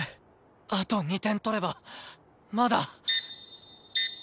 あと２点取ればまだ。